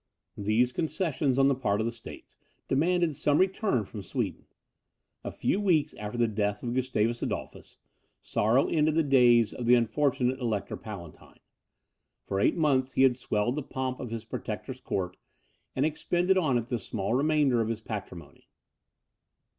These concessions on the part of the States, demanded some return from Sweden. A few weeks after the death of Gustavus Adolphus, sorrow ended the days of the unfortunate Elector Palatine. For eight months he had swelled the pomp of his protector's court, and expended on it the small remainder of his patrimony.